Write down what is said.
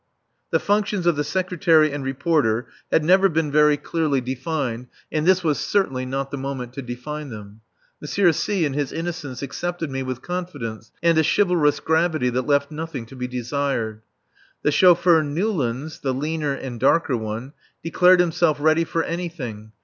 The functions of the Secretary and Reporter had never been very clearly defined, and this was certainly not the moment to define them. M. C , in his innocence, accepted me with confidence and a chivalrous gravity that left nothing to be desired. The chauffeur Newlands (the leaner and darker one) declared himself ready for anything.